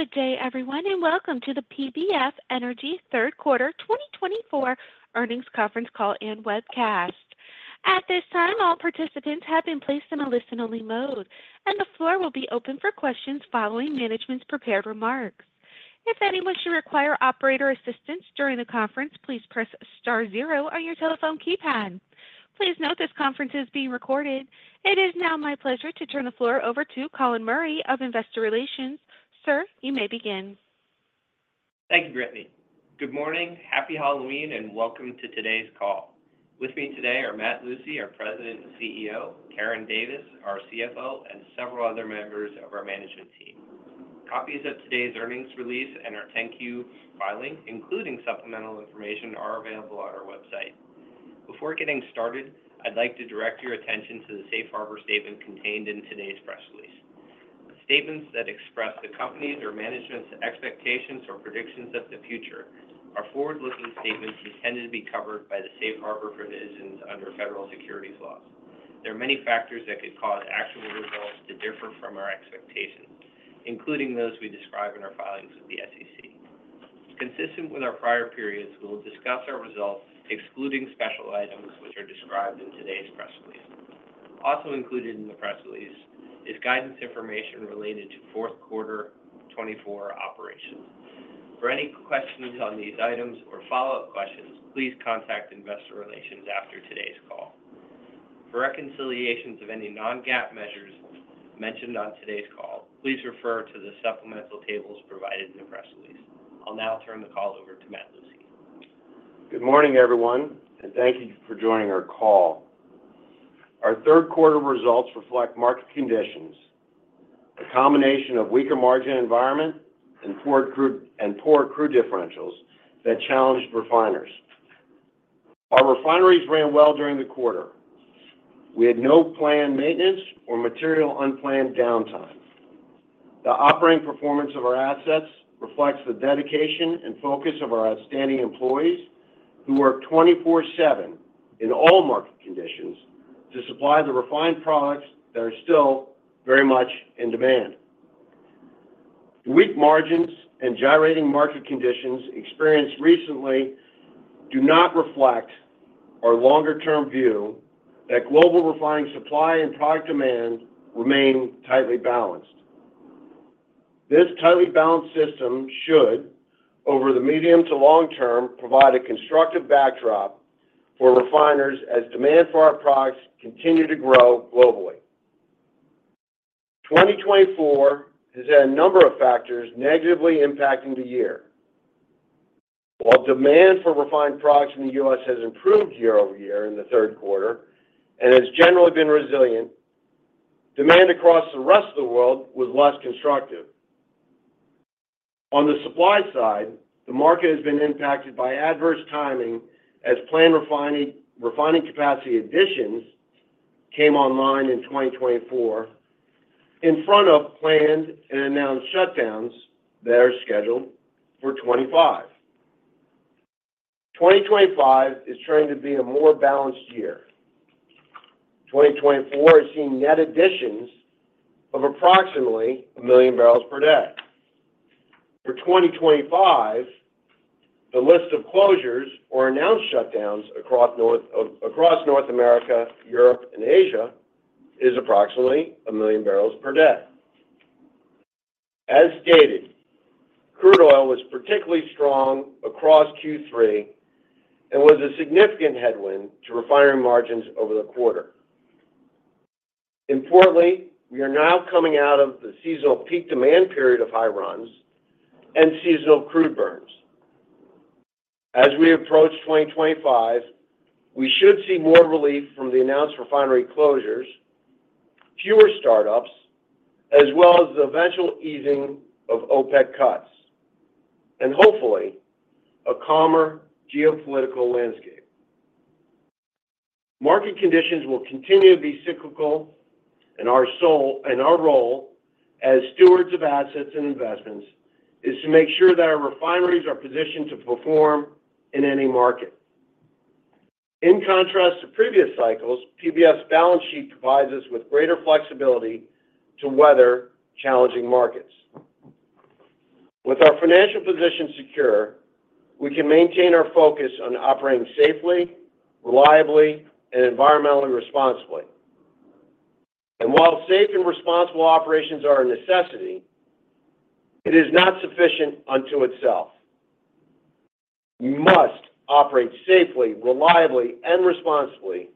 Good day, everyone, and welcome to the PBF Energy Q3 2024 Earnings Conference Call and Webcast. At this time, all participants have been placed in a listen-only mode, and the floor will be open for questions following management's prepared remarks. If anyone should require operator assistance during the conference, please press star zero on your telephone keypad. Please note this conference is being recorded. It is now my pleasure to turn the floor over to Colin Murray of Investor Relations. Sir, you may begin. Thank you, Brittany. Good morning, happy Halloween, and welcome to today's call. With me today are Matthew Lucey, our President and CEO, Karen Davis, our CFO, and several other members of our management team. Copies of today's earnings release and our 10-Q filing, including supplemental information, are available on our website. Before getting started, I'd like to direct your attention to the Safe Harbor statement contained in today's press release. The statements that express the company's or management's expectations or predictions of the future are forward-looking statements intended to be covered by the Safe Harbor provisions under federal securities laws. There are many factors that could cause actual results to differ from our expectations, including those we describe in our filings with the SEC. Consistent with our prior periods, we will discuss our results, excluding special items which are described in today's press release. Also included in the press release is guidance information related to Q4 2024 operations. For any questions on these items or follow-up questions, please contact Investor Relations after today's call. For reconciliations of any non-GAAP measures mentioned on today's call, please refer to the supplemental tables provided in the press release. I'll now turn the call over to Matthew Lucey. Good morning, everyone, and thank you for joining our call. Our Q3 results reflect market conditions, a combination of weaker margin environment and poor crude differentials that challenged refiners. Our refineries ran well during the quarter. We had no planned maintenance or material unplanned downtime. The operating performance of our assets reflects the dedication and focus of our outstanding employees who work 24/7 in all market conditions to supply the refined products that are still very much in demand. Weak margins and gyrating market conditions experienced recently do not reflect our longer-term view that global refining supply and product demand remain tightly balanced. This tightly balanced system should, over the medium to long term, provide a constructive backdrop for refiners as demand for our products continues to grow globally. 2024 has had a number of factors negatively impacting the year. While demand for refined products in the U.S. has improved year-over-year in the Q3 and has generally been resilient. Demand across the rest of the world was less constructive. On the supply side, the market has been impacted by adverse timing as planned refining capacity additions came online in 2024 in front of planned and announced shutdowns that are scheduled for 2025. 2025 is trying to be a more balanced year. 2024 has seen net additions of approximately a million barrels per day. For 2025, the list of closures or announced shutdowns across North America, Europe, and Asia is approximately a million barrels per day. As stated, crude oil was particularly strong across Q3 and was a significant headwind to refining margins over the quarter. Importantly, we are now coming out of the seasonal peak demand period of high runs and seasonal crude burns. As we approach 2025, we should see more relief from the announced refinery closures, fewer startups, as well as the eventual easing of OPEC cuts, and hopefully a calmer geopolitical landscape. Market conditions will continue to be cyclical, and our role as stewards of assets and investments is to make sure that our refineries are positioned to perform in any market. In contrast to previous cycles, PBF's balance sheet provides us with greater flexibility to weather challenging markets. With our financial position secure, we can maintain our focus on operating safely, reliably, and environmentally responsibly. And while safe and responsible operations are a necessity, it is not sufficient unto itself. We must operate safely, reliably, and responsibly,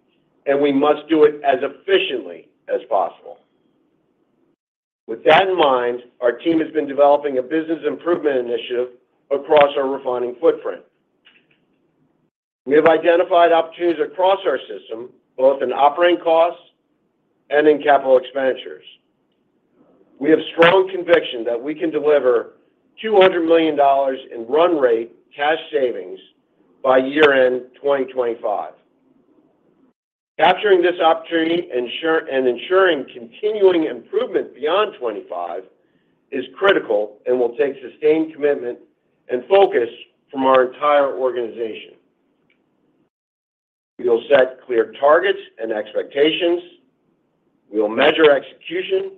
and we must do it as efficiently as possible. With that in mind, our team has been developing a business improvement initiative across our refining footprint. We have identified opportunities across our system, both in operating costs and in capital expenditures. We have strong conviction that we can deliver $200 million in run rate cash savings by year-end 2025. Capturing this opportunity and ensuring continuing improvement beyond 2025 is critical and will take sustained commitment and focus from our entire organization. We will set clear targets and expectations. We will measure execution,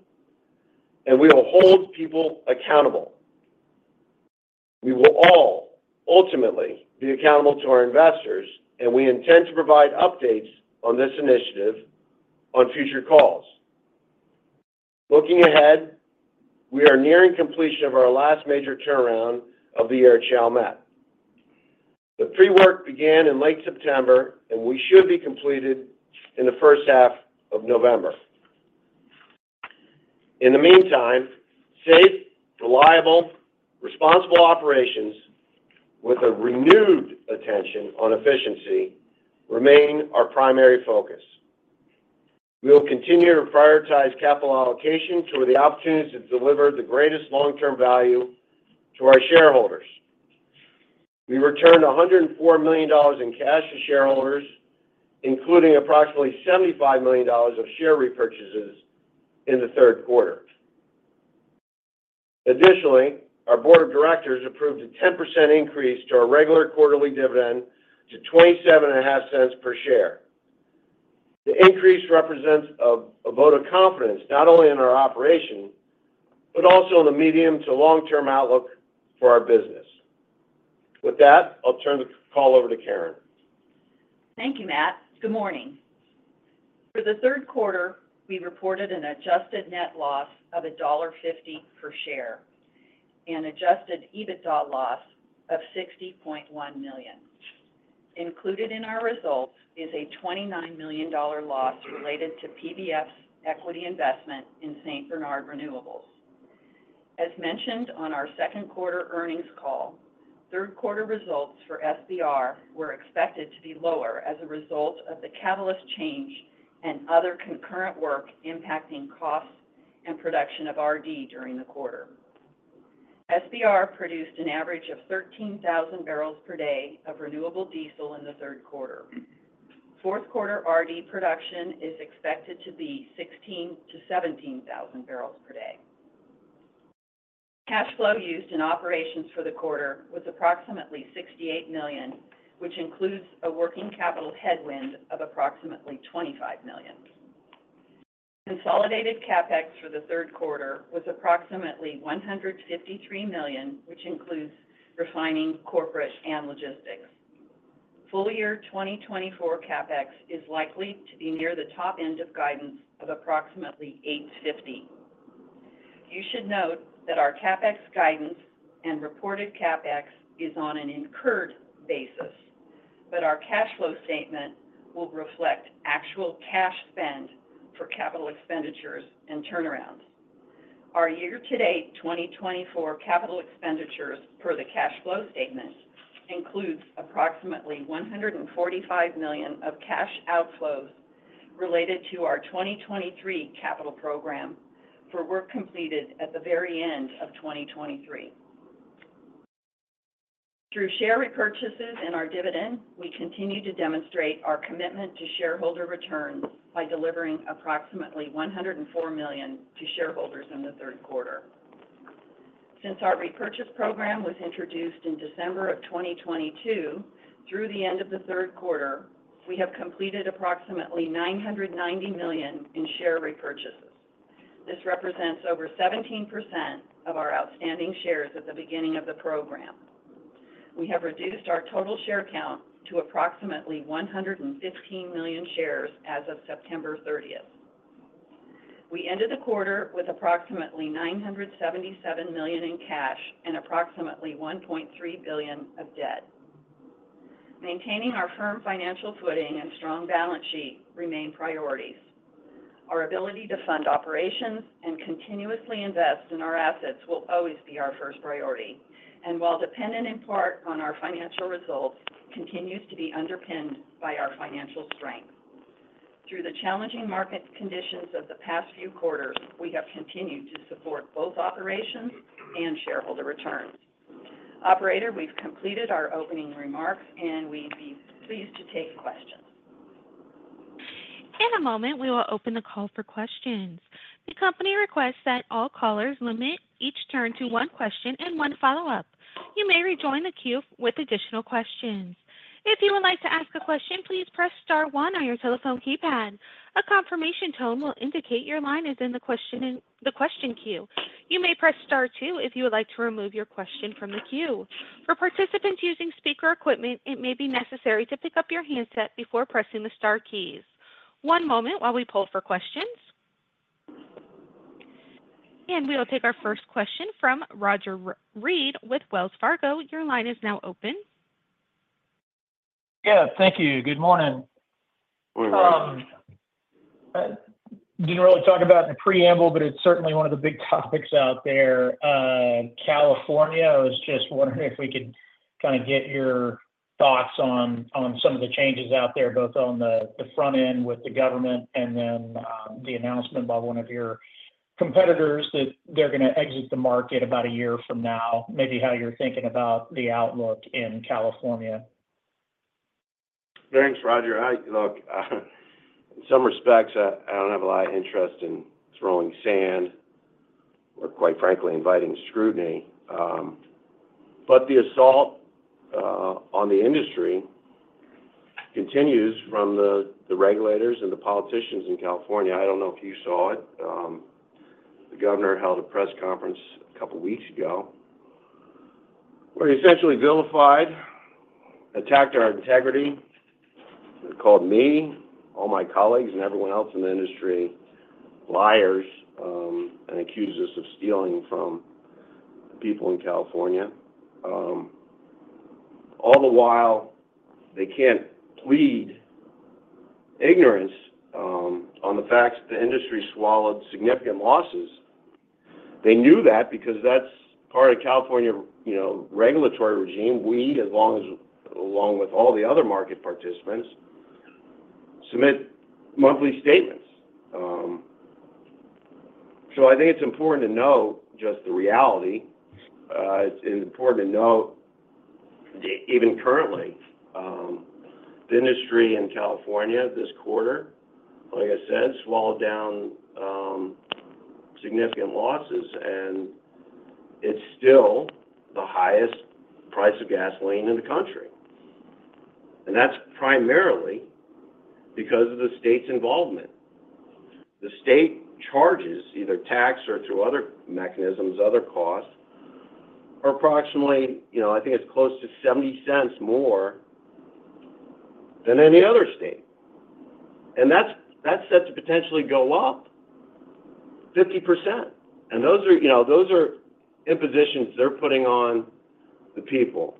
and we will hold people accountable. We will all ultimately be accountable to our investors, and we intend to provide updates on this initiative on future calls. Looking ahead, we are nearing completion of our last major turnaround of the Chalmette. The pre-work began in late September, and we should be completed in the first half of November. In the meantime, safe, reliable, responsible operations with a renewed attention on efficiency remain our primary focus. We will continue to prioritize capital allocation toward the opportunities to deliver the greatest long-term value to our shareholders. We returned $104 million in cash to shareholders, including approximately $75 million of share repurchases in the Q3. Additionally, our board of directors approved a 10% increase to our regular quarterly dividend to $0.275 per share. The increase represents a vote of confidence not only in our operation but also in the medium to long-term outlook for our business. With that, I'll turn the call over to Karen. Thank you, Matt. Good morning. For the Q3, we reported an adjusted net loss of $1.50 per share and adjusted EBITDA loss of $60.1 million. Included in our results is a $29 million loss related to PBF's equity investment in St. Bernard Renewables. As mentioned on our Q2 earnings call, Q3 results for SBR were expected to be lower as a result of the catalyst change and other concurrent work impacting costs and production of RD during the quarter. SBR produced an average of 13,000 barrels per day of renewable diesel in the Q3. Q4 RD production is expected to be 16,000-17,000 barrels per day. Cash flow used in operations for the quarter was approximately $68 million, which includes a working capital headwind of approximately $25 million. Consolidated CapEx for the Q3 was approximately $153 million, which includes refining, corporate, and logistics. Full year 2024 CapEx is likely to be near the top end of guidance of approximately $850 million. You should note that our CapEx guidance and reported CapEx is on an incurred basis, but our cash flow statement will reflect actual cash spend for capital expenditures and turnarounds. Our year-to-date 2024 capital expenditures per the cash flow statement includes approximately $145 million of cash outflows related to our 2023 capital program for work completed at the very end of 2023. Through share repurchases and our dividend, we continue to demonstrate our commitment to shareholder returns by delivering approximately $104 million to shareholders in the Q3. Since our repurchase program was introduced in December of 2022, through the end of the Q3, we have completed approximately $990 million in share repurchases. This represents over 17% of our outstanding shares at the beginning of the program. We have reduced our total share count to approximately 115 million shares as of September 30th. We ended the quarter with approximately $977 million in cash and approximately $1.3 billion of debt. Maintaining our firm financial footing and strong balance sheet remain priorities. Our ability to fund operations and continuously invest in our assets will always be our first priority, and while dependent in part on our financial results, continues to be underpinned by our financial strength. Through the challenging market conditions of the past few quarters, we have continued to support both operations and shareholder returns. Operator, we've completed our opening remarks, and we'd be pleased to take questions. In a moment, we will open the call for questions. The company requests that all callers limit each turn to one question and one follow-up. You may rejoin the queue with additional questions. If you would like to ask a question, please press star one on your telephone keypad. A confirmation tone will indicate your line is in the question queue. You may press star two if you would like to remove your question from the queue. For participants using speaker equipment, it may be necessary to pick up your handset before pressing the star keys. One moment while we pull for questions, and we will take our first question from Roger Read with Wells Fargo. Your line is now open. Yeah, thank you. Good morning. Good morning. Didn't really talk about in the preamble, but it's certainly one of the big topics out there. California, I was just wondering if we could kind of get your thoughts on some of the changes out there, both on the front end with the government and then the announcement by one of your competitors that they're going to exit the market about a year from now, maybe how you're thinking about the outlook in California. Thanks, Roger. Look, in some respects, I don't have a lot of interest in throwing sand or, quite frankly, inviting scrutiny. But the assault on the industry continues from the regulators and the politicians in California. I don't know if you saw it. The governor held a press conference a couple of weeks ago where he essentially vilified, attacked our integrity, called me, all my colleagues, and everyone else in the industry liars and accused us of stealing from people in California. All the while, they can't plead ignorance on the fact that the industry swallowed significant losses. They knew that because that's part of California regulatory regime. We, along with all the other market participants, submit monthly statements. So I think it's important to know just the reality. It's important to know that even currently, the industry in California this quarter, like I said, swallowed down significant losses, and it's still the highest price of gasoline in the country. And that's primarily because of the state's involvement. The state charges, either tax or through other mechanisms, other costs, approximately, I think it's close to $0.70 more than any other state. And that's set to potentially go up 50%. And those are impositions they're putting on the people.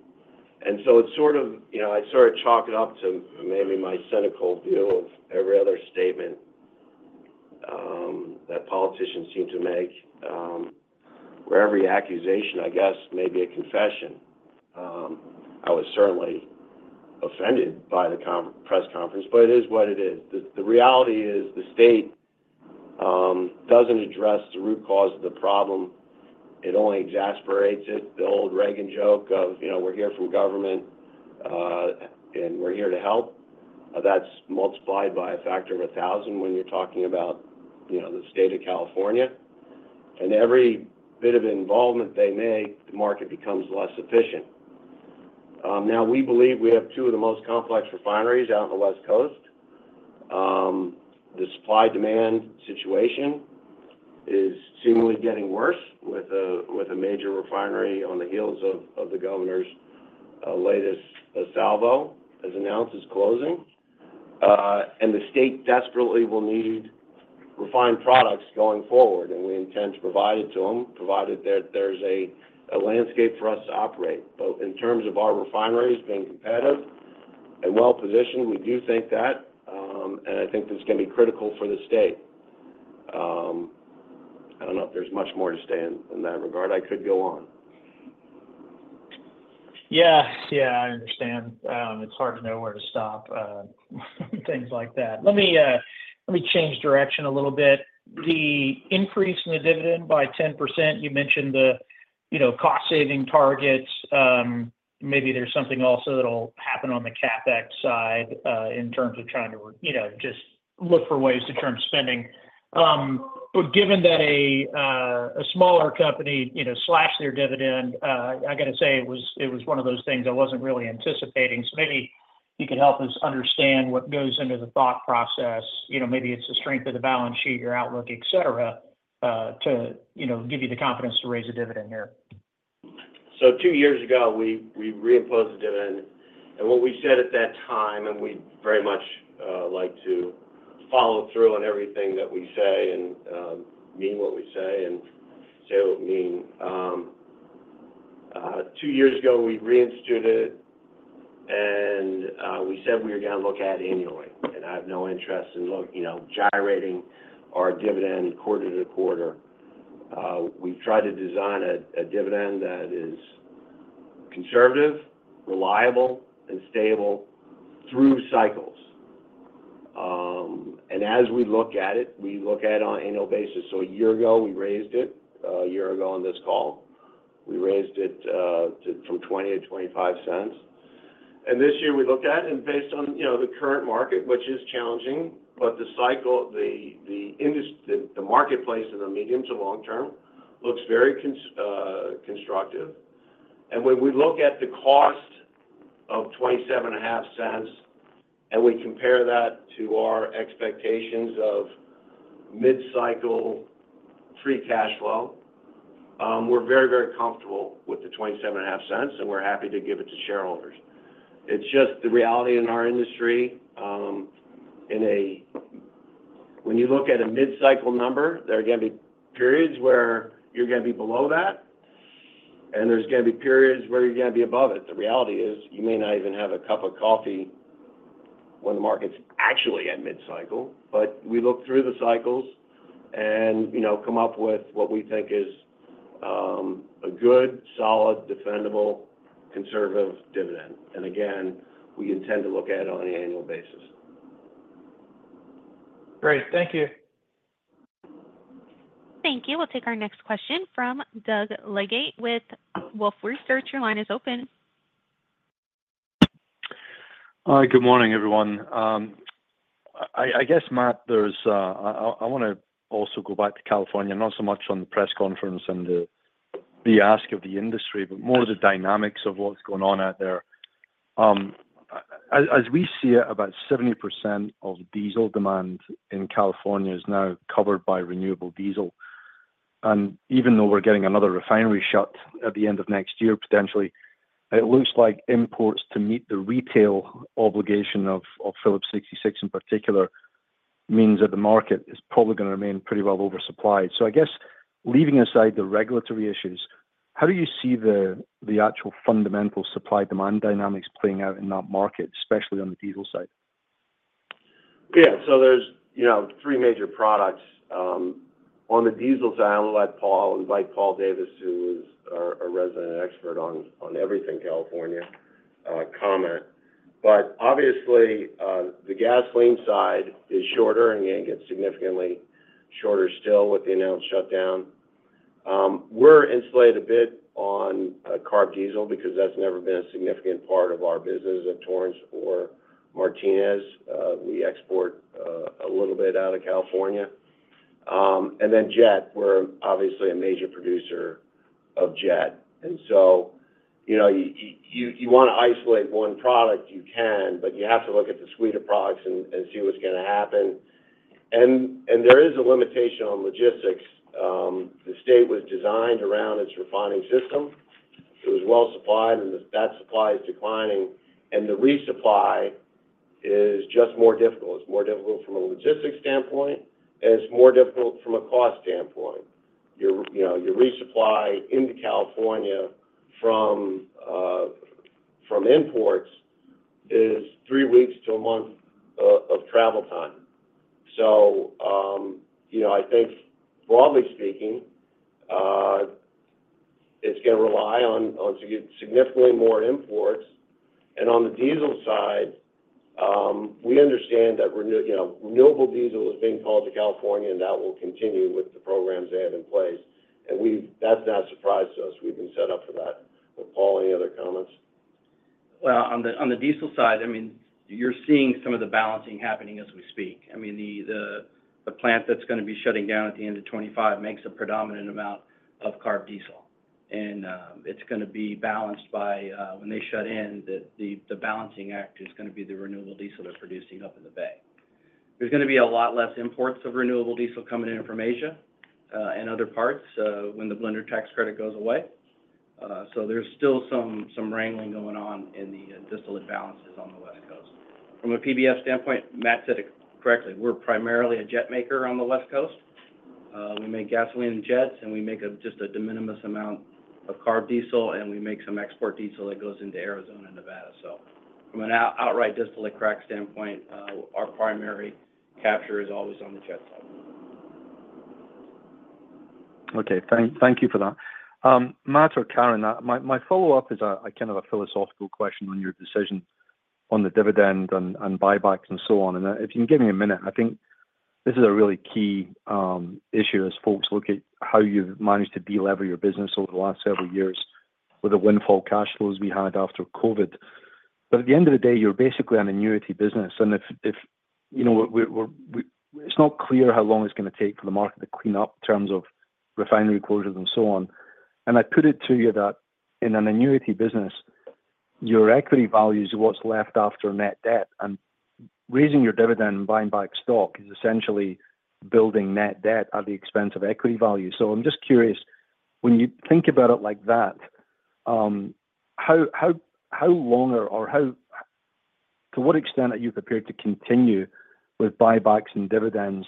And so it's sort of I chalk it up to maybe my cynical view of every other statement that politicians seem to make, wherever the accusation, I guess, may be a confession. I was certainly offended by the press conference, but it is what it is. The reality is the state doesn't address the root cause of the problem. It only exacerbates it. The old Reagan joke of, "We're here from government, and we're here to help," that's multiplied by a factor of 1,000 when you're talking about the state of California. And every bit of involvement they make, the market becomes less efficient. Now, we believe we have two of the most complex refineries out on the West Coast. The supply-demand situation is seemingly getting worse with a major refinery on the heels of the governor's latest salvo as announced as closing. And the state desperately will need refined products going forward, and we intend to provide it to them, provided that there's a landscape for us to operate. But in terms of our refineries being competitive and well-positioned, we do think that, and I think this is going to be critical for the state. I don't know if there's much more to say in that regard. I could go on. Yeah, yeah, I understand. It's hard to know where to stop things like that. Let me change direction a little bit. The increase in the dividend by 10%, you mentioned the cost-saving targets. Maybe there's something also that'll happen on the CapEx side in terms of trying to just look for ways to turn spending. But given that a smaller company slashed their dividend, I got to say it was one of those things I wasn't really anticipating. So maybe you could help us understand what goes into the thought process. Maybe it's the strength of the balance sheet, your outlook, etc., to give you the confidence to raise a dividend here. Two years ago, we reimposed the dividend. And what we said at that time, and we'd very much like to follow through on everything that we say and mean what we say and say what we mean. Two years ago, we reinstituted it, and we said we were going to look at annually. And I have no interest in gyrating our dividend quarter to quarter. We've tried to design a dividend that is conservative, reliable, and stable through cycles. And as we look at it, we look at it on an annual basis. A year ago, we raised it. A year ago on this call, we raised it from $0.20-$0.25. And this year, we look at it, and based on the current market, which is challenging, but the cycle, the marketplace in the medium to long term looks very constructive. And when we look at the cost of $0.275, and we compare that to our expectations of mid-cycle free cash flow, we're very, very comfortable with the $0.275, and we're happy to give it to shareholders. It's just the reality in our industry. When you look at a mid-cycle number, there are going to be periods where you're going to be below that, and there's going to be periods where you're going to be above it. The reality is you may not even have a cup of coffee when the market's actually at mid-cycle, but we look through the cycles and come up with what we think is a good, solid, defendable, conservative dividend. And again, we intend to look at it on an annual basis. Great. Thank you. Thank you. We'll take our next question from Doug Leggate with Wolfe Research. Your line is open. Hi. Good morning, everyone. I guess, Matt, I want to also go back to California, not so much on the press conference and the ask of the industry, but more the dynamics of what's going on out there. As we see it, about 70% of diesel demand in California is now covered by renewable diesel. And even though we're getting another refinery shut at the end of next year, potentially, it looks like imports to meet the retail obligation of Phillips 66 in particular means that the market is probably going to remain pretty well oversupplied. So I guess, leaving aside the regulatory issues, how do you see the actual fundamental supply-demand dynamics playing out in that market, especially on the diesel side? Yeah. So there's three major products. On the diesel side, I'll let Paul Davis, who is a resident expert on everything California comment. But obviously, the gasoline side is shorter, and it gets significantly shorter still with the announced shutdown. We're insulated a bit on CARB diesel because that's never been a significant part of our business at Torrance or Martinez. We export a little bit out of California. And then jet, we're obviously a major producer of jet. And so you want to isolate one product, you can, but you have to look at the suite of products and see what's going to happen. And there is a limitation on logistics. The state was designed around its refining system. It was well-supplied, and that supply is declining. And the resupply is just more difficult. It's more difficult from a logistics standpoint, and it's more difficult from a cost standpoint. Your resupply into California from imports is three weeks to a month of travel time. So I think, broadly speaking, it's going to rely on significantly more imports. And on the diesel side, we understand that renewable diesel is being called to California, and that will continue with the programs they have in place. And that's not a surprise to us. We've been set up for that. Paul, any other comments? On the diesel side, I mean, you're seeing some of the balancing happening as we speak. I mean, the plant that's going to be shutting down at the end of 2025 makes a predominant amount of CARB diesel. And it's going to be balanced by when they shut in, the balancing act is going to be the renewable diesel they're producing up in the bay. There's going to be a lot less imports of renewable diesel coming in from Asia and other parts when the Blender's Tax Credit goes away. So there's still some wrangling going on in the distillate balances on the West Coast. From a PBF standpoint, Matt said it correctly. We're primarily a jet maker on the West Coast. We make gasoline and jets, and we make just a de minimis amount of CARB diesel, and we make some export diesel that goes into Arizona and Nevada. So from an outright distillate crack standpoint, our primary capture is always on the jet side. Okay. Thank you for that. Matt or Karen, my follow-up is kind of a philosophical question on your decision on the dividend and buybacks and so on. And if you can give me a minute, I think this is a really key issue as folks look at how you've managed to delever your business over the last several years with the windfall cash flows we had after COVID. But at the end of the day, you're basically an annuity business. And it's not clear how long it's going to take for the market to clean up in terms of refinery closures and so on. And I put it to you that in an annuity business, your equity value is what's left after net debt. And raising your dividend and buying back stock is essentially building net debt at the expense of equity value. So I'm just curious, when you think about it like that, how long or to what extent are you prepared to continue with buybacks and dividends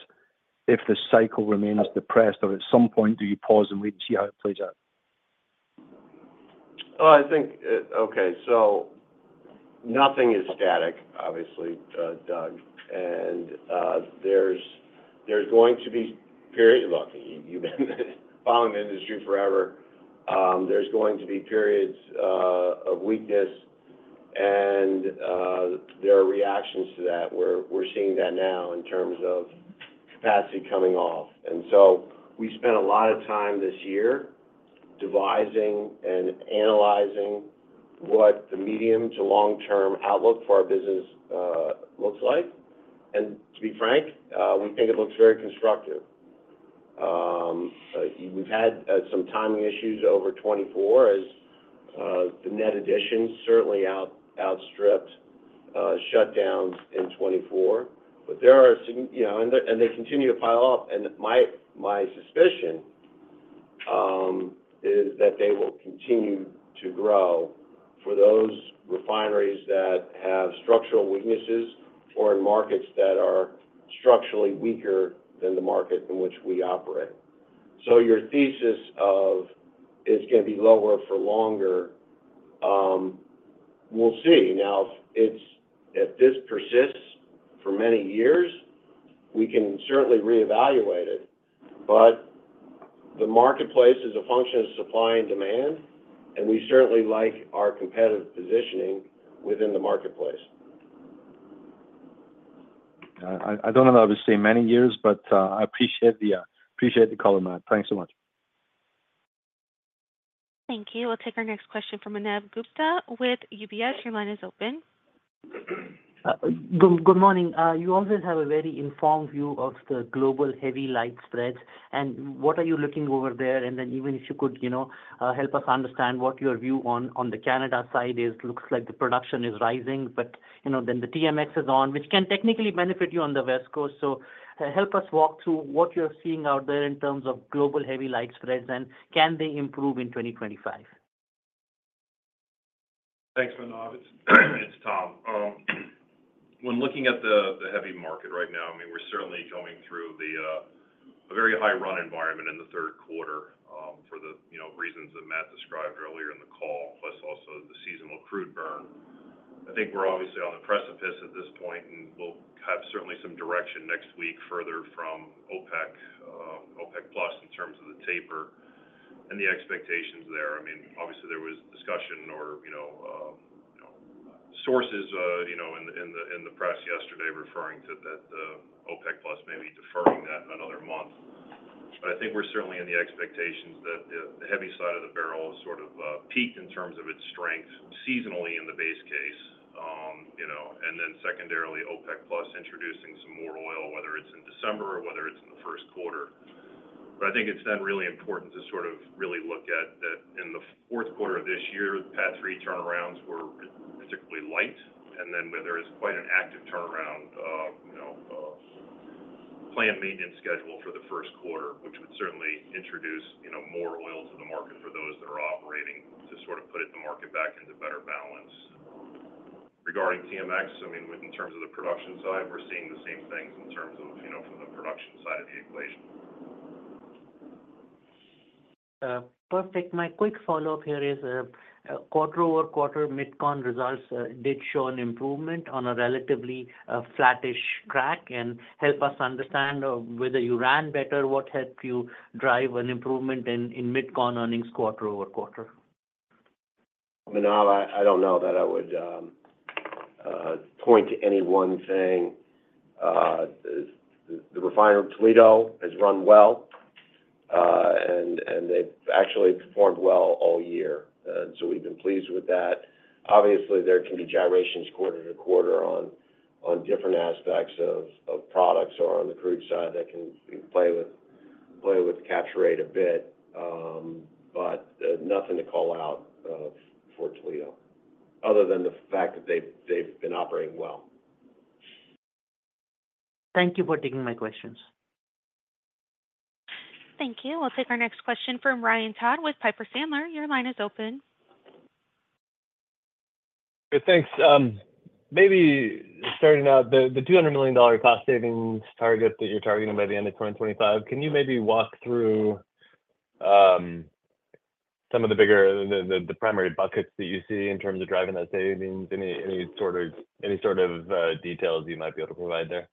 if the cycle remains depressed, or at some point, do you pause and wait and see how it plays out? Okay. So nothing is static, obviously, Doug. And there's going to be periods. Look, you've been following the industry forever. There's going to be periods of weakness, and there are reactions to that. We're seeing that now in terms of capacity coming off. And so we spent a lot of time this year devising and analyzing what the medium to long-term outlook for our business looks like. And to be frank, we think it looks very constructive. We've had some timing issues over 2024 as the net additions certainly outstripped shutdowns in 2024. But there are, and they continue to pile up. And my suspicion is that they will continue to grow for those refineries that have structural weaknesses or in markets that are structurally weaker than the market in which we operate. So your thesis of it's going to be lower for longer, we'll see. Now, if this persists for many years, we can certainly reevaluate it. But the marketplace is a function of supply and demand, and we certainly like our competitive positioning within the marketplace. I don't know that I've seen many years, but I appreciate the color, Matt. Thanks so much. Thank you. We'll take our next question from Manav Gupta with UBS. Your line is open. Good morning. You always have a very informed view of the global heavy light spread, and what are you looking over there, and then even if you could help us understand what your view on the Canada side is, it looks like the production is rising, but then the TMX is on, which can technically benefit you on the West Coast, so help us walk through what you're seeing out there in terms of global heavy light spreads, and can they improve in 2025? Thanks, Manav. It's Tom. When looking at the heavy market right now, I mean, we're certainly coming through a very high-run environment in the Q3 for the reasons that Matt described earlier in the call, plus also the seasonal crude burn. I think we're obviously on the precipice at this point, and we'll have certainly some direction next week further from OPEC Plus in terms of the taper and the expectations there. I mean, obviously, there was discussion or sources in the press yesterday referring to that OPEC Plus may be deferring that another month. But I think we're certainly in the expectations that the heavy side of the barrel has sort of peaked in terms of its strength seasonally in the base case. And then secondarily, OPEC Plus introducing some more oil, whether it's in December or whether it's in the Q1. But I think it's then really important to sort of really look at that in the Q4 of this year. PADD 3 turnarounds were particularly light. Then there is quite an active turnaround plan maintenance schedule for the Q1, which would certainly introduce more oil to the market for those that are operating to sort of put the market back into better balance. Regarding TMX, I mean, in terms of the production side, we're seeing the same things in terms of from the production side of the equation. Perfect. My quick follow-up here is quarter-over-quarter Mid-Con results did show an improvement on a relatively flattish crack. And help us understand whether you ran better, what helped you drive an improvement in Mid-Con earnings quarter-over-quarter? I mean, I don't know that I would point to any one thing. The refinery in Toledo has run well, and they've actually performed well all year, and so we've been pleased with that. Obviously, there can be gyrations quarter to quarter on different aspects of products or on the crude side that can play with the capture rate a bit, but nothing to call out for Toledo other than the fact that they've been operating well. Thank you for taking my questions. Thank you. We'll take our next question from Ryan Todd with Piper Sandler. Your line is open. Thanks. Maybe starting out, the $200 million cost savings target that you're targeting by the end of 2025, can you maybe walk through some of the bigger primary buckets that you see in terms of driving that savings? Any sort of details you might be able to provide there?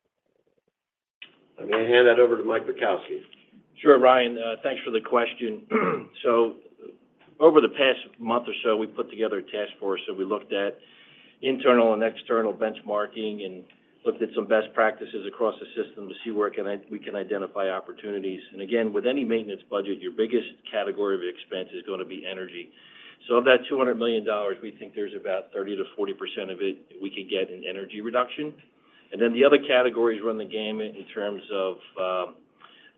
I'm going to hand that over to Mike Bukowski. Sure, Ryan. Thanks for the question, so over the past month or so, we put together a task force, so we looked at internal and external benchmarking and looked at some best practices across the system to see where we can identify opportunities, and again, with any maintenance budget, your biggest category of expense is going to be energy, so of that $200 million, we think there's about 30%-40% of it we could get in energy reduction, and then the other categories run the gamut in terms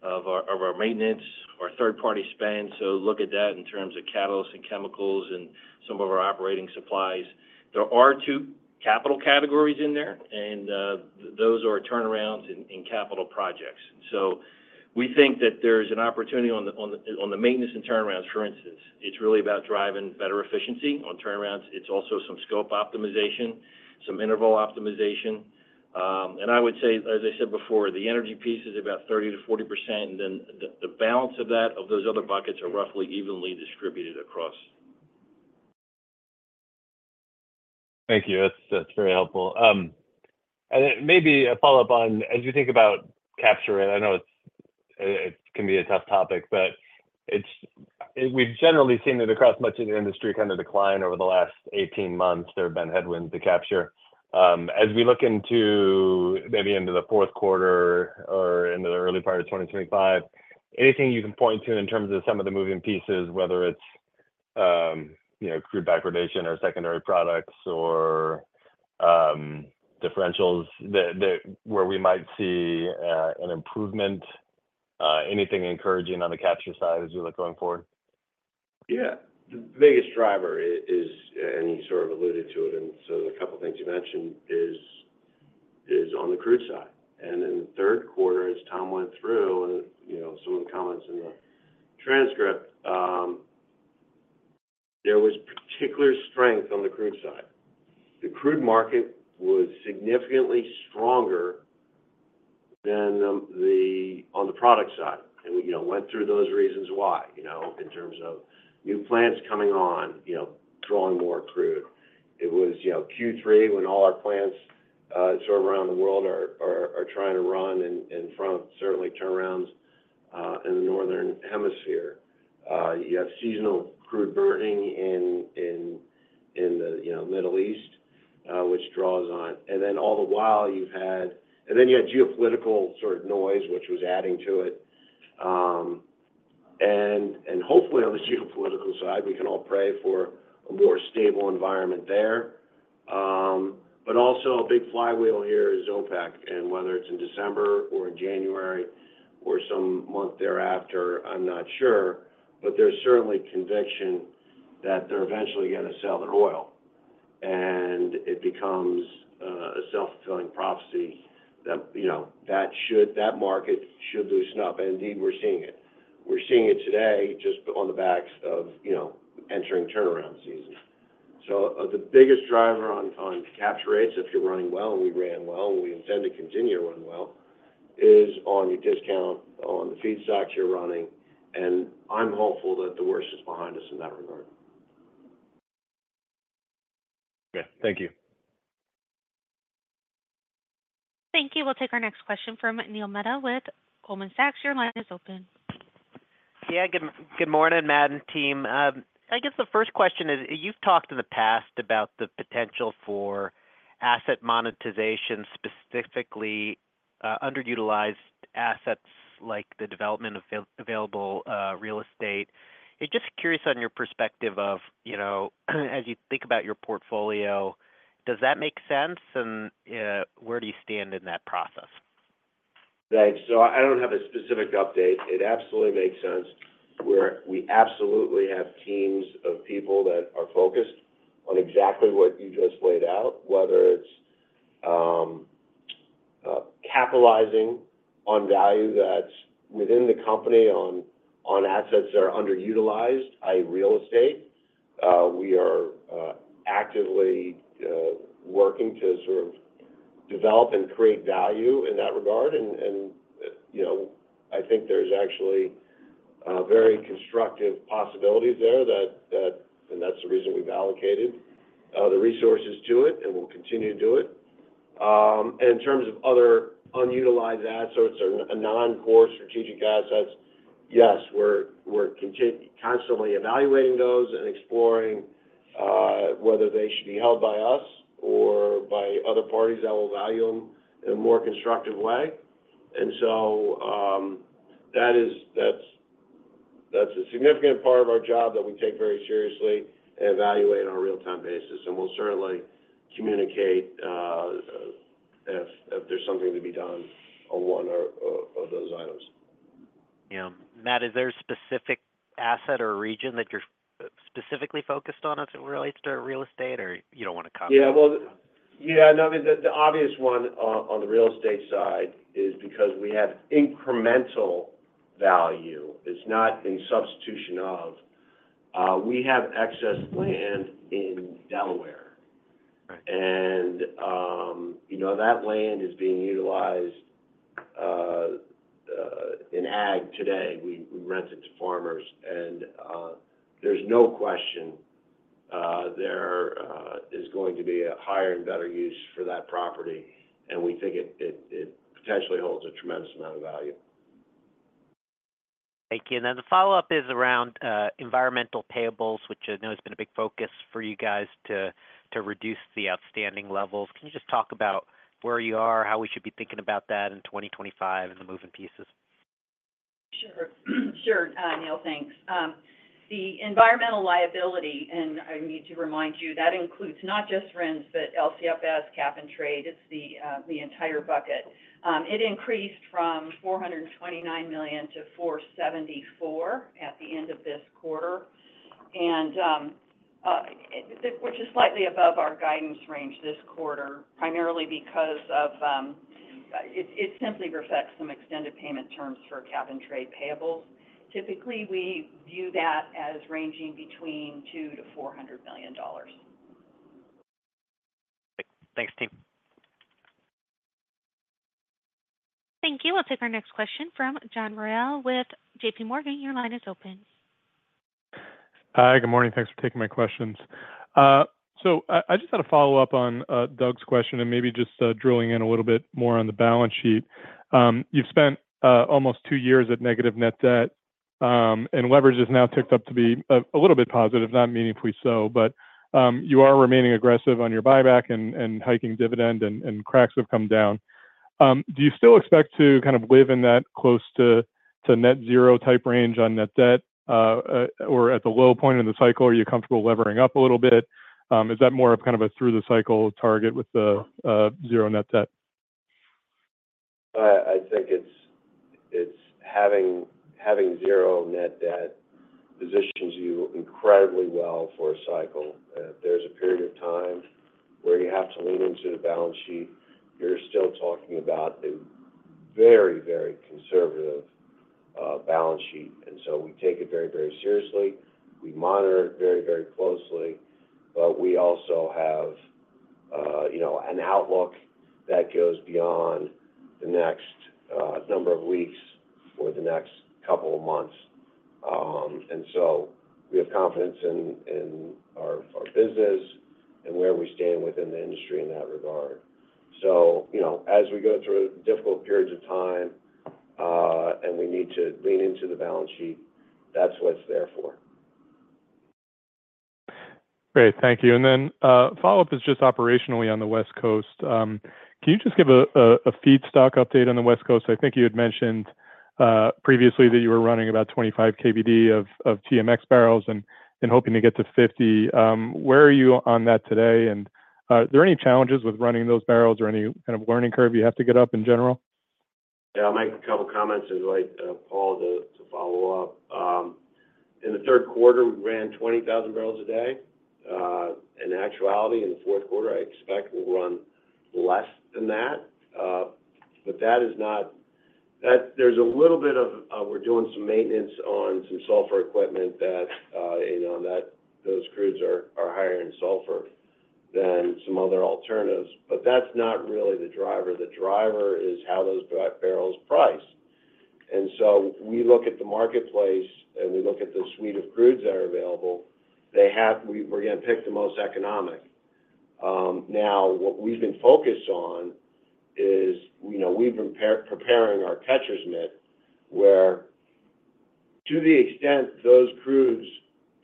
of our maintenance, our third-party spend, so look at that in terms of catalysts and chemicals and some of our operating supplies. There are two capital categories in there, and those are turnarounds and capital projects, so we think that there's an opportunity on the maintenance and turnarounds. For instance, it's really about driving better efficiency on turnarounds. It's also some scope optimization, some interval optimization, and I would say, as I said before, the energy piece is about 30%-40%, and then the balance of those other buckets are roughly evenly distributed across. Thank you. That's very helpful, and maybe a follow-up on, as you think about capture, I know it can be a tough topic, but we've generally seen that across much of the industry kind of decline over the last 18 months. There have been headwinds to capture. As we look into maybe the Q4 or into the early part of 2025, anything you can point to in terms of some of the moving pieces, whether it's crude backwardation or secondary products or differentials where we might see an improvement? Anything encouraging on the capture side as we look going forward? Yeah. The biggest driver is, and you sort of alluded to it in sort of a couple of things you mentioned, is on the crude side. In the Q3, as Tom went through some of the comments in the transcript, there was particular strength on the crude side. The crude market was significantly stronger than on the product side. We went through those reasons why in terms of new plants coming on, drawing more crude. It was Q3 when all our plants sort of around the world are trying to run in front of certainly turnarounds in the northern hemisphere. You have seasonal crude burning in the Middle East, which draws on it. All the while, you've had, and then you had geopolitical sort of noise, which was adding to it. Hopefully, on the geopolitical side, we can all pray for a more stable environment there. Also, a big flywheel here is OPEC. And whether it's in December or in January or some month thereafter, I'm not sure, but there's certainly conviction that they're eventually going to sell their oil. And it becomes a self-fulfilling prophecy that that market should loosen up. And indeed, we're seeing it. We're seeing it today just on the back of entering turnaround season. So the biggest driver on capture rates, if you're running well and we ran well and we intend to continue to run well, is on your discount on the feedstocks you're running. And I'm hopeful that the worst is behind us in that regard. Okay. Thank you. Thank you. We'll take our next question from Neil Mehta with Goldman Sachs. Your line is open. Yeah. Good morning, Matt and team. I guess the first question is, you've talked in the past about the potential for asset monetization, specifically underutilized assets like the development of available real estate. Just curious on your perspective of, as you think about your portfolio, does that make sense? And where do you stand in that process? Thanks. So I don't have a specific update. It absolutely makes sense. We absolutely have teams of people that are focused on exactly what you just laid out, whether it's capitalizing on value that's within the company on assets that are underutilized by real estate. We are actively working to sort of develop and create value in that regard. And I think there's actually very constructive possibilities there, and that's the reason we've allocated the resources to it, and we'll continue to do it. And in terms of other unutilized assets or non-core strategic assets, yes, we're constantly evaluating those and exploring whether they should be held by us or by other parties that will value them in a more constructive way. And so that's a significant part of our job that we take very seriously and evaluate on a real-time basis. We'll certainly communicate if there's something to be done on one of those items. Yeah. Matt, is there a specific asset or region that you're specifically focused on as it relates to real estate, or you don't want to comment? Yeah, well, yeah, no, I mean, the obvious one on the real estate side is because we have incremental value. It's not in substitution of. We have excess land in Delaware, and that land is being utilized in ag today. We rent it to farmers, and there's no question there is going to be a higher and better use for that property, and we think it potentially holds a tremendous amount of value. Thank you, and then the follow-up is around environmental payables, which I know has been a big focus for you guys to reduce the outstanding levels. Can you just talk about where you are, how we should be thinking about that in 2025, and the moving pieces? Sure. Sure, Neil. Thanks. The environmental liability, and I need to remind you, that includes not just RINs but LCFS, Cap and Trade. It's the entire bucket. It increased from $429 million to $474 million at the end of this quarter, which is slightly above our guidance range this quarter, primarily because it simply reflects some extended payment terms for Cap and Trade payables. Typically, we view that as ranging between $200 million to $400 million. Thanks, team. Thank you. We'll take our next question from John Royall with JPMorgan. Your line is open. Hi. Good morning. Thanks for taking my questions. So I just had a follow-up on Doug's question and maybe just drilling in a little bit more on the balance sheet. You've spent almost two years at negative net debt, and leverage has now ticked up to be a little bit positive, not meaningfully so. But you are remaining aggressive on your buyback and hiking dividend, and cracks have come down. Do you still expect to kind of live in that close to net zero type range on net debt or at the low point of the cycle? Are you comfortable levering up a little bit? Is that more of kind of a through-the-cycle target with the zero net debt? I think having zero net debt positions you incredibly well for a cycle. There's a period of time where you have to lean into the balance sheet. You're still talking about a very, very conservative balance sheet. And so we take it very, very seriously. We monitor it very, very closely. But we also have an outlook that goes beyond the next number of weeks or the next couple of months. And so we have confidence in our business and where we stand within the industry in that regard. So as we go through difficult periods of time and we need to lean into the balance sheet, that's what it's there for. Great. Thank you. And then follow-up is just operationally on the West Coast. Can you just give a feedstock update on the West Coast? I think you had mentioned previously that you were running about 25 KBD of TMX barrels and hoping to get to 50. Where are you on that today? And are there any challenges with running those barrels or any kind of learning curve you have to get up in general? Yeah. I'll make a couple of comments and let Paul follow up. In the Q3, we ran 20,000 barrels a day. In actuality, in the Q4, I expect we'll run less than that. But there's a little bit of we're doing some maintenance on some sulfur equipment that those crudes are higher in sulfur than some other alternatives. But that's not really the driver. The driver is how those barrels price. And so we look at the marketplace, and we look at the suite of crudes that are available. We're going to pick the most economic. Now, what we've been focused on is we've been preparing our catcher's mitt where, to the extent those crudes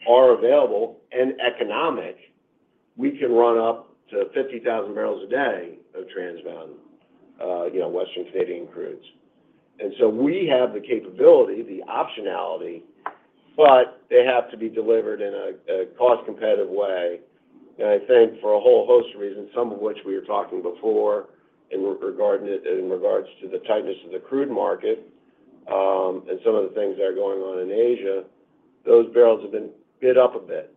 are available and economic, we can run up to 50,000 barrels a day of Trans Mountain-bound Western Canadian crudes. And so we have the capability, the optionality, but they have to be delivered in a cost-competitive way. And I think for a whole host of reasons, some of which we were talking before in regards to the tightness of the crude market and some of the things that are going on in Asia, those barrels have been bid up a bit.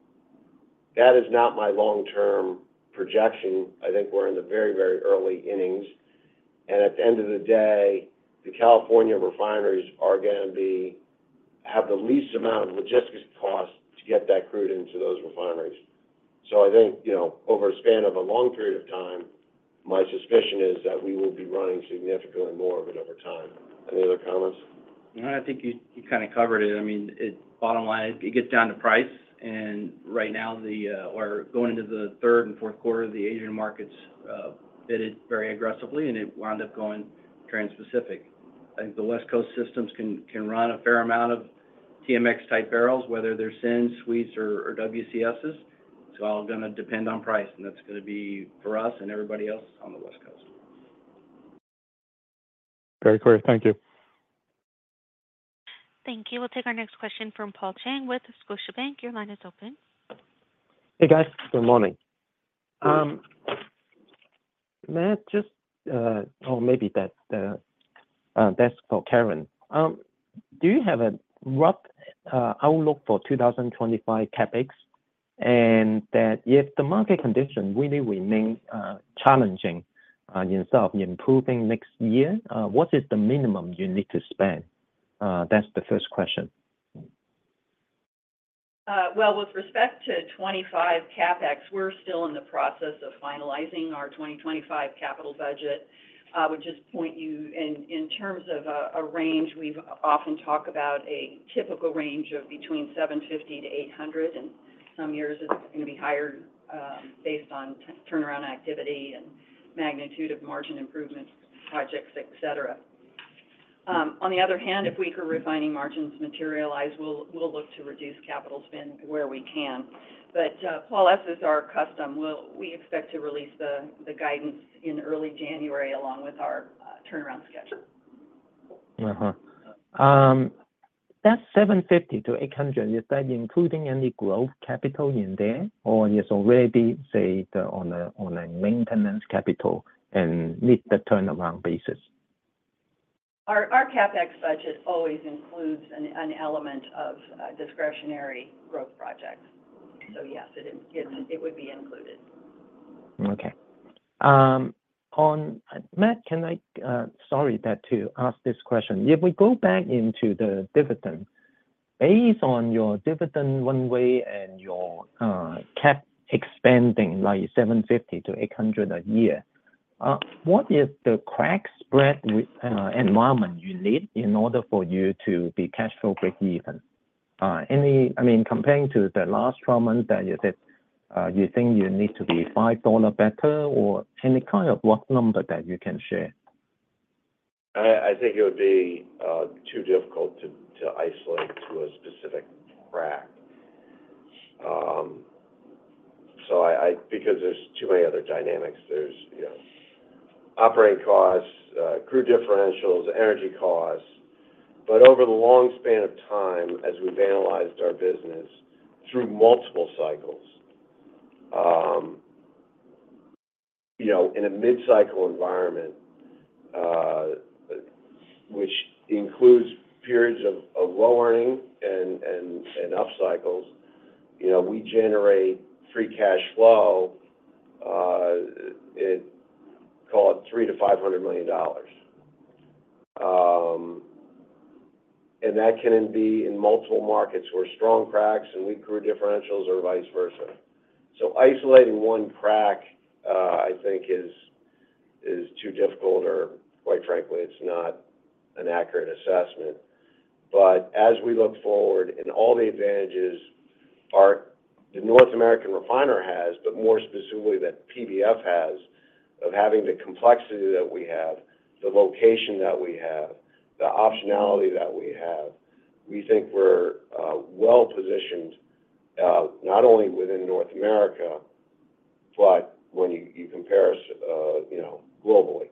That is not my long-term projection. I think we're in the very, very early innings. And at the end of the day, the California refineries are going to have the least amount of logistics cost to get that crude into those refineries. So I think over a span of a long period of time, my suspicion is that we will be running significantly more of it over time. Any other comments? No, I think you kind of covered it. I mean, bottom line, it gets down to price. And right now, we're going into the third and Q4 of the Asian markets bid very aggressively, and it wound up going Trans-Pacific. I think the West Coast systems can run a fair amount of TMX-type barrels, whether they're syns, sweets, or WCSs. It's all going to depend on price. And that's going to be for us and everybody else on the West Coast. Very clear. Thank you. Thank you. We'll take our next question from Paul Cheng with Scotiabank. Your line is open. Hey, guys. Good morning. Matt, just maybe that's for Karen. Do you have a rough outlook for 2025 CapEx? And if the market conditions really remain challenging instead of improving next year, what is the minimum you need to spend? That's the first question. With respect to 2025 CapEx, we're still in the process of finalizing our 2025 capital budget, which I'll point you to in terms of a range. We've often talked about a typical range of between $750 million and $800 million. In some years, it's going to be higher based on turnaround activity and magnitude of margin improvement projects, etc. On the other hand, if weaker refining margins materialize, we'll look to reduce capital spend where we can. But Paul, as is our custom, we expect to release the guidance in early January along with our turnaround schedule. That 750-800, is that including any growth capital in there, or is it already, say, on a maintenance capital and needs the turnaround basis? Our CapEx budget always includes an element of discretionary growth projects. So yes, it would be included. Okay. Matt, can I, sorry to ask this question. If we go back into the dividend, based on your dividend runway and your CapEx expanding like 750-800 a year, what is the crack spread environment you need in order for you to be cash flow breakeven? I mean, comparing to the last comment that you said, you think you need to be $5 better or any kind of rough number that you can share? I think it would be too difficult to isolate to a specific crack, because there's too many other dynamics. There's operating costs, crude differentials, energy costs, but over the long span of time, as we've analyzed our business through multiple cycles, in a mid-cycle environment, which includes periods of low earnings and up cycles, we generate free cash flow, call it $300 million-$500 million, and that can be in multiple markets where strong cracks and weak crude differentials or vice versa, so isolating one crack, I think, is too difficult or, quite frankly, it's not an accurate assessment. But as we look forward and all the advantages the North American refiner has, but more specifically that PBF has, of having the complexity that we have, the location that we have, the optionality that we have, we think we're well positioned not only within North America, but when you compare us globally.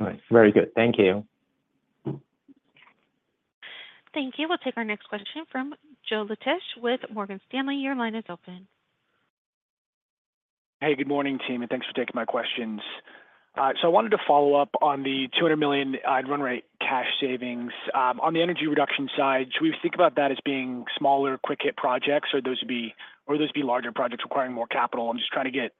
Nice. Very good. Thank you. Thank you. We'll take our next question from Joe Laetsch with Morgan Stanley. Your line is open. Hey, good morning, team. And thanks for taking my questions. So I wanted to follow up on the $200 million runway cash savings. On the energy reduction side, should we think about that as being smaller, quick hit projects, or would those be larger projects requiring more capital? I'm just trying to get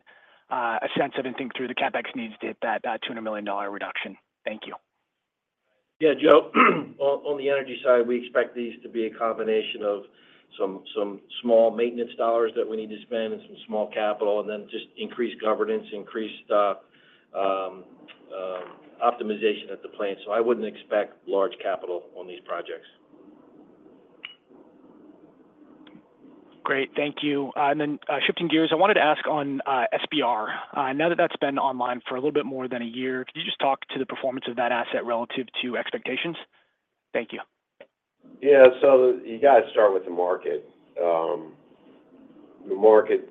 a sense of and think through the CapEx needs to hit that $200 million reduction. Thank you. Yeah, Joe. On the energy side, we expect these to be a combination of some small maintenance dollars that we need to spend and some small capital, and then just increased governance, increased optimization at the plant. So I wouldn't expect large capital on these projects. Great. Thank you. And then shifting gears, I wanted to ask on SBR. Now that that's been online for a little bit more than a year, could you just talk to the performance of that asset relative to expectations? Thank you. Yeah. So you got to start with the market. The market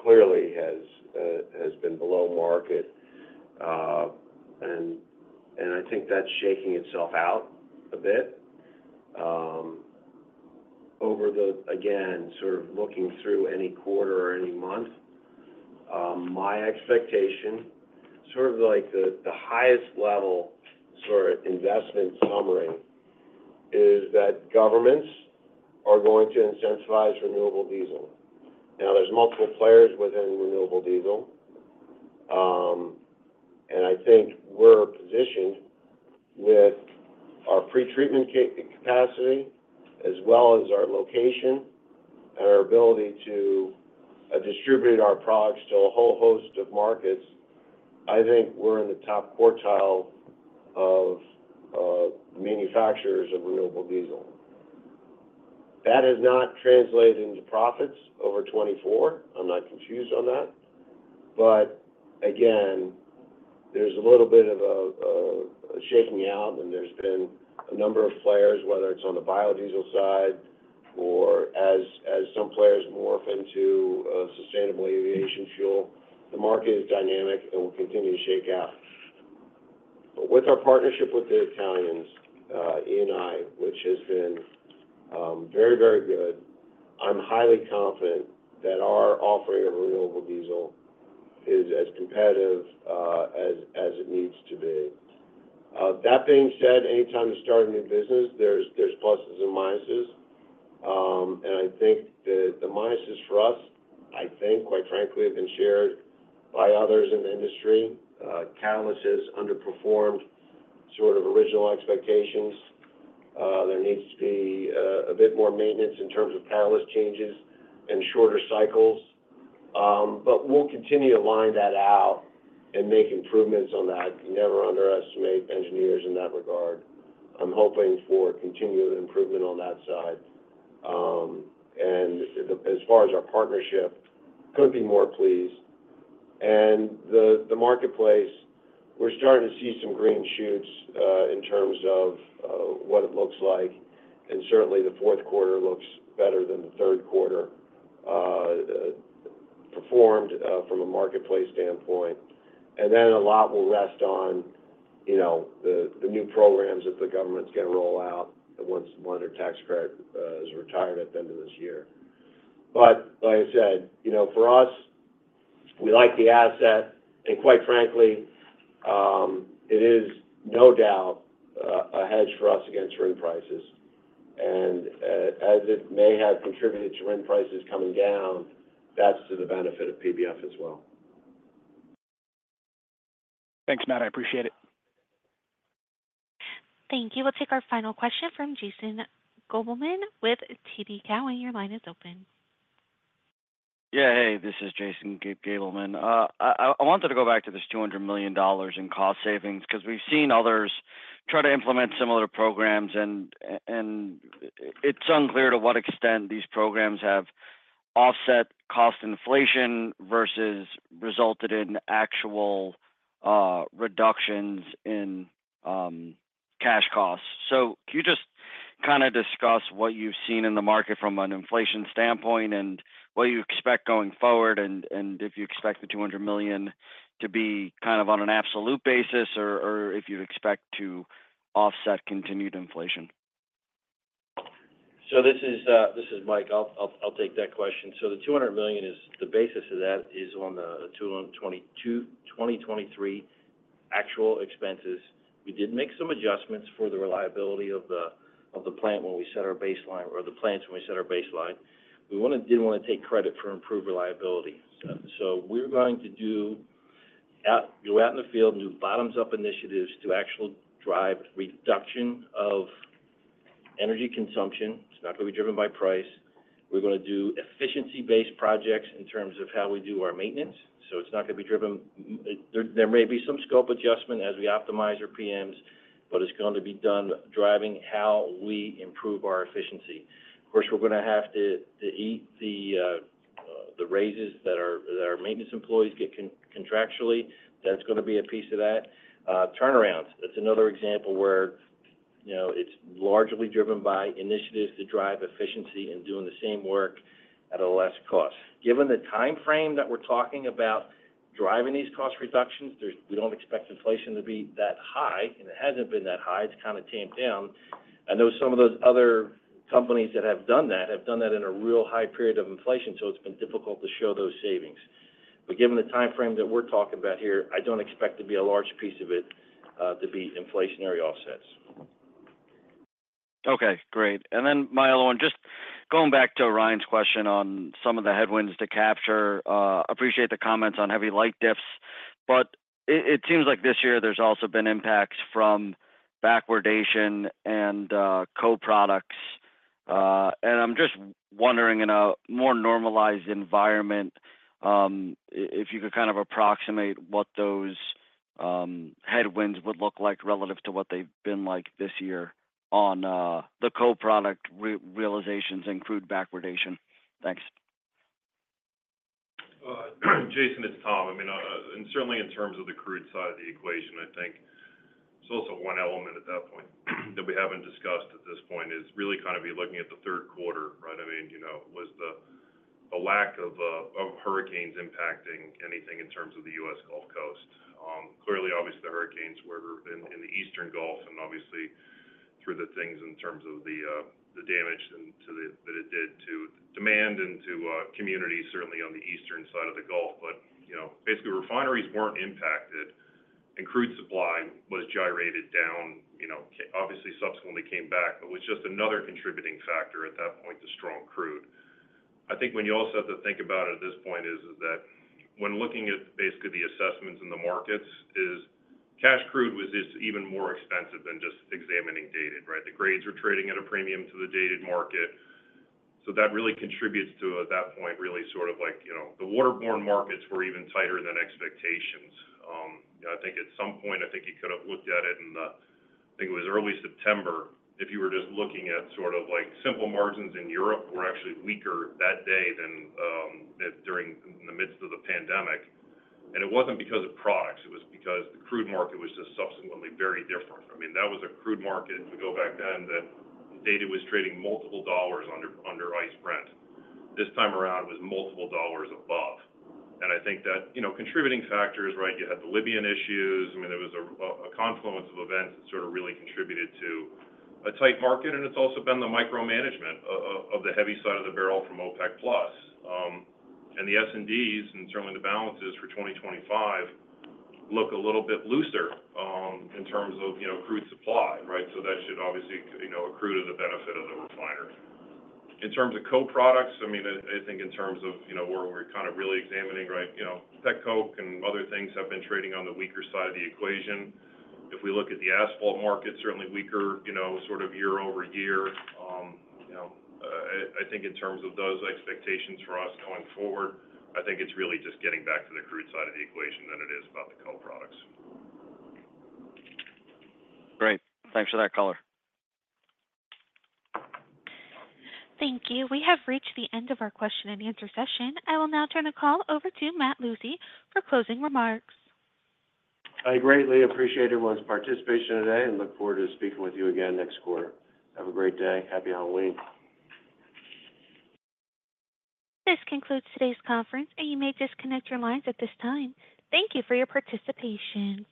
clearly has been below market. And I think that's shaking itself out a bit. Again, sort of looking through any quarter or any month, my expectation, sort of like the highest level sort of investment summary, is that governments are going to incentivize renewable diesel. Now, there's multiple players within renewable diesel. And I think we're positioned with our pretreatment capacity as well as our location and our ability to distribute our products to a whole host of markets. I think we're in the top quartile of manufacturers of renewable diesel. That has not translated into profits over 2024. I'm not confused on that. But again, there's a little bit of a shaking out, and there's been a number of players, whether it's on the biodiesel side or as some players morph into sustainable aviation fuel, the market is dynamic and will continue to shake out. But with our partnership with the Italians, Eni, which has been very, very good, I'm highly confident that our offering of renewable diesel is as competitive as it needs to be. That being said, anytime you start a new business, there's pluses and minuses. And I think the minuses for us, I think, quite frankly, have been shared by others in the industry. Catalyst has underperformed sort of original expectations. There needs to be a bit more maintenance in terms of catalyst changes and shorter cycles. But we'll continue to line that out and make improvements on that. Never underestimate engineers in that regard. I'm hoping for continued improvement on that side. And as far as our partnership, couldn't be more pleased. And the marketplace, we're starting to see some green shoots in terms of what it looks like. And certainly, the Q4 looks better than the Q3 performed from a marketplace standpoint. And then a lot will rest on the new programs that the government's going to roll out once the Blender's Tax Credit is retired at the end of this year. But like I said, for us, we like the asset. And quite frankly, it is no doubt a hedge for us against RIN prices. And as it may have contributed to RIN prices coming down, that's to the benefit of PBF as well. Thanks, Matt. I appreciate it. Thank you. We'll take our final question from Jason Gabelman with TD Cowen when your line is open. Yeah. Hey, this is Jason Gabelman. I wanted to go back to this $200 million in cost savings because we've seen others try to implement similar programs. And it's unclear to what extent these programs have offset cost inflation versus resulted in actual reductions in cash costs. So can you just kind of discuss what you've seen in the market from an inflation standpoint and what you expect going forward? And if you expect the 200 million to be kind of on an absolute basis or if you expect to offset continued inflation? So this is Mike. I'll take that question. So the $200 million, the basis of that, is on the 2023 actual expenses. We did make some adjustments for the reliability of the plant when we set our baseline or the plants when we set our baseline. We didn't want to take credit for improved reliability. So we're going to go out in the field and do bottoms-up initiatives to actually drive reduction of energy consumption. It's not going to be driven by price. We're going to do efficiency-based projects in terms of how we do our maintenance. So it's not going to be driven. There may be some scope adjustment as we optimize our PMs, but it's going to be done driving how we improve our efficiency. Of course, we're going to have to eat the raises that our maintenance employees get contractually. That's going to be a piece of that. Turnarounds, that's another example where it's largely driven by initiatives to drive efficiency and doing the same work at a less cost. Given the timeframe that we're talking about driving these cost reductions, we don't expect inflation to be that high. And it hasn't been that high. It's kind of tamped down. I know some of those other companies that have done that have done that in a real high period of inflation. So it's been difficult to show those savings. But given the timeframe that we're talking about here, I don't expect to be a large piece of it to be inflationary offsets. Okay. Great. And then, my follow-up, on just going back to Ryan's question on some of the headwinds to capture, I appreciate the comments on heavy light diffs. But it seems like this year there's also been impacts from backwardation and co-products. And I'm just wondering, in a more normalized environment, if you could kind of approximate what those headwinds would look like relative to what they've been like this year on the co-product realizations and crude backwardation. Thanks. Jason, it's Tom. I mean, certainly in terms of the crude side of the equation, I think it's also one element at that point that we haven't discussed at this point is really kind of be looking at the Q3, right? I mean, was the lack of hurricanes impacting anything in terms of the U.S. Gulf Coast? Clearly, obviously, the hurricanes were in the Eastern Gulf and obviously through the things in terms of the damage that it did to demand and to communities certainly on the eastern side of the Gulf. But basically, refineries weren't impacted, and crude supply was gyrated down. Obviously, subsequently came back, but was just another contributing factor at that point to strong crude. I think when you also have to think about it at this point is that when looking at basically the assessments in the markets, cash crude was even more expensive than just examining Dated, right? The grades were trading at a premium to the Dated market. So that really contributes to, at that point, really sort of like the waterborne markets were even tighter than expectations. I think at some point, I think you could have looked at it in the, I think it was early September, if you were just looking at sort of like simple margins in Europe were actually weaker that day than during the midst of the pandemic, and it wasn't because of products. It wasn't because the crude market was just subsequently very different. I mean, that was a crude market, if we go back then, that Dated was trading multiple dollars under ICE Brent. This time around, it was multiple dollars above, and I think that contributing factors, right? You had the Libyan issues. I mean, there was a confluence of events that sort of really contributed to a tight market, and it's also been the micromanagement of the heavy side of the barrel from OPEC+. And the S&Ds and certainly the balances for 2025 look a little bit looser in terms of crude supply, right, so that should obviously accrue to the benefit of the refiner. In terms of co-products, I mean, I think in terms of where we're kind of really examining, right? Petcoke and other things have been trading on the weaker side of the equation. If we look at the asphalt market, certainly weaker sort of year-over-year. I think in terms of those expectations for us going forward, I think it's really just getting back to the crude side of the equation than it is about the co-products. Great. Thanks for that, Tom. Thank you. We have reached the end of our question and answer session. I will now turn the call over to Matt Lucey for closing remarks. I greatly appreciate everyone's participation today and look forward to speaking with you again next quarter. Have a great day. Happy Halloween. This concludes today's conference, and you may disconnect your lines at this time. Thank you for your participation.